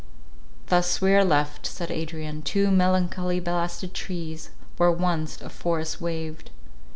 "Thus are we left," said Adrian, "two melancholy blasted trees, where once a forest waved.